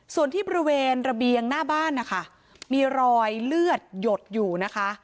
ส่วนที่บริเวณระเบียงหน้าบ้านนะคะมีรอยเลือดหยดอยู่นะคะ